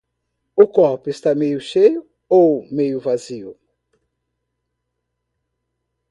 O copo está meio cheio ou meio vazio?